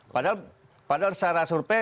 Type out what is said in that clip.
padahal secara surpe